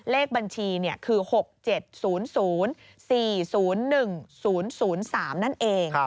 เลขบัญชีคือ๖๗๐๐๔๐๑๐๐๓นั่นเอง